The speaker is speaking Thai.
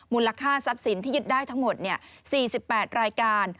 ทรัพย์สินที่ยึดได้ทั้งหมด๔๘รายการ